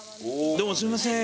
どうもすいません。